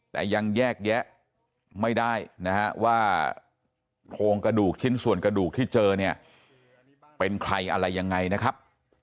แต่ยังแยกแยะไม่ได้นะฮะว่าโครงกระดูกชิ้นส่วนกระดูกที่เจอเนี่ยเป็นใครอะไรยังไงนะครับ